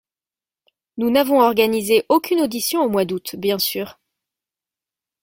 Nous n’avons organisé aucune audition au mois d’août, bien sûr.